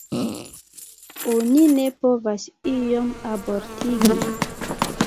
Oni ne povas iom abortigi.